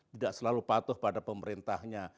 tidak selalu patuh pada pemerintahnya